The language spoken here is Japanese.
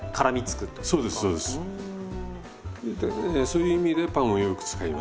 そういう意味でパンをよく使いますね。